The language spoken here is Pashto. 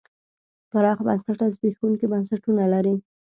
پراخ بنسټه زبېښونکي بنسټونه لري.